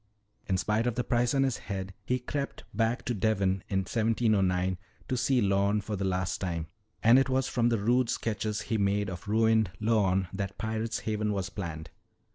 In spite of the price on his head, he crept back to Devon in 1709 to see Lorne for the last time. And it was from the rude sketches he made of ruined Lorne that Pirate's Haven was planned."